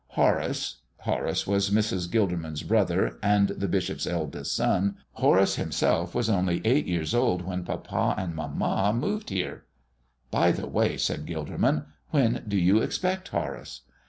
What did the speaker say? Horace" Horace was Mrs. Gilderman's brother and the bishop's eldest son "Horace himself was only eight years old when papa and mamma moved here." "By the way," said Gilderman, "when do you expect Horace?"